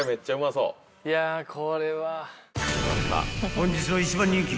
［本日の一番人気！